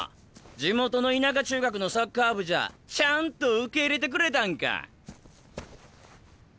地元の田舎中学のサッカー部じゃちゃんと受け入れてくれたんか。